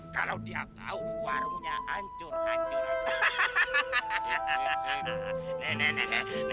kalau dia tahu warungnya hancur hancur